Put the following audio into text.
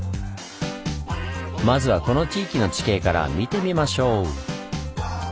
まずはこの地域の地形から見てみましょう。